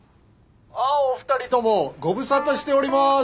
あっお二人ともご無沙汰しております。